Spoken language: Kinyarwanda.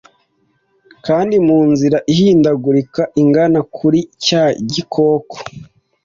Kandi munzira ihindagurika igana kuri cya gikoko